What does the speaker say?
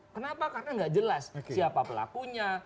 kenapa karena nggak jelas siapa pelakunya